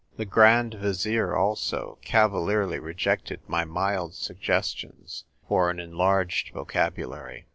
The Grand Vizier, also, cavalierly rejected my mild suggestions for an enlarged vocabulary.